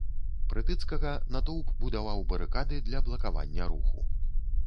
Прытыцкага, натоўп будаваў барыкады для блакавання руху.